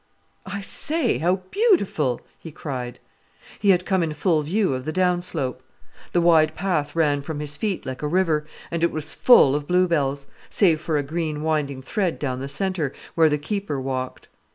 "I say, how beautiful!" he cried. He had come in full view of the downslope. The wide path ran from his feet like a river, and it was full of bluebells, save for a green winding thread down the centre, where the keeper walked.